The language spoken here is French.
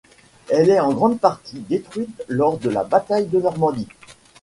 Elle est en grande partie détruite lors de la bataille de Normandie.